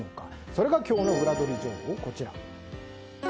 それが今日のウラどり情報です。